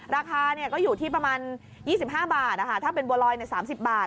ราคาก็อยู่ที่ประมาณ๒๕บาทถ้าเป็นบัวลอย๓๐บาท